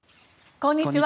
こんにちは。